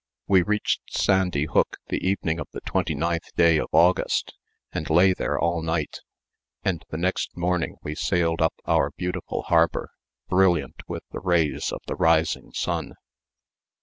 We reached Sandy Hook the evening of the 29th day of August and lay there all night, and the next morning we sailed up our beautiful harbor, brilliant with the rays of the rising sun.